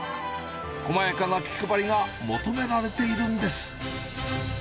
細やかな気配りが求められているんです。